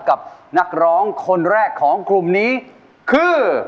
กับนักร้องคนแรกของกลุ่มนี้คือ